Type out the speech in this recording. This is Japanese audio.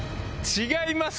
違います！